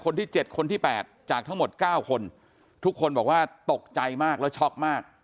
คนที่๗คนที่๘จากทั้งหมด๙คนทุกคนบอกว่าตกใจมากแล้วช็อกมาก